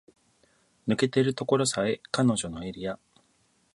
抜けてるとこさえ彼女のエリア